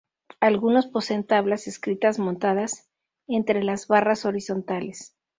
Algunos poseen tablas escritas montadas entre las barras horizontales.